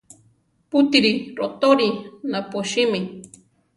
Pútiri rotorí naposimi.